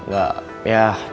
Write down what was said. gak yah biasalah nom